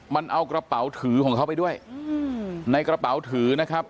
มันเอากระเป๋าถือของเขาไปด้วยในกระเป๋าถือนะครับ